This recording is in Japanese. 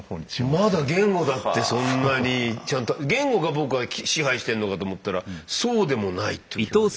まだ言語だってそんなにちゃんと言語が僕は支配してるのかと思ったらそうでもないっていうことで。